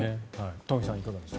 東輝さん、いかがですか？